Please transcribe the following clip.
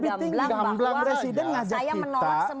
gamblang presiden mengajak kita